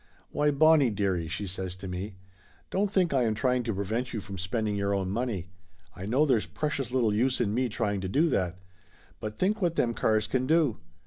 "Why, Bonnie dearie!" she says to me. "Don't think I am trying to prevent you from spending your own money. I know there's precious little use in me trying to do that ! But think what them cars can do